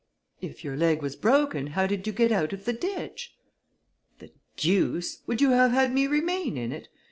] "If your leg was broken, how did you get out of the ditch?" "The deuce! would you have had me remain in it?